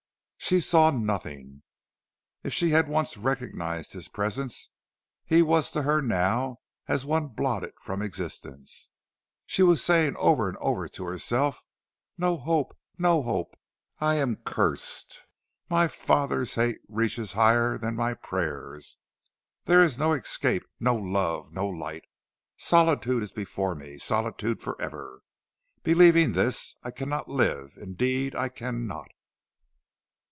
She saw nothing. If she had once recognized his presence, he was to her now as one blotted from existence. She was saying over and over to herself: "No hope! no hope! I am cursed! My father's hate reaches higher than my prayers. There is no escape; no love, no light. Solitude is before me; solitude forever. Believing this, I cannot live; indeed I cannot!"